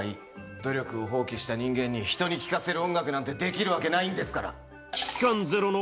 努力を放棄した人間に人に聴かせる音楽なんてできるわけないんですから。